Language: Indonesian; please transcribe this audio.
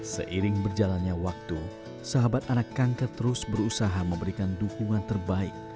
seiring berjalannya waktu sahabat anak kanker terus berusaha memberikan dukungan terbaik